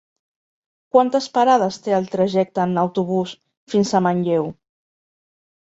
Quantes parades té el trajecte en autobús fins a Manlleu?